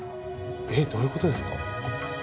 えどういうことですか？